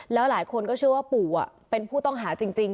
แล้วหลายคนก็เชื่อว่าปู่เป็นผู้ต้องหาจริง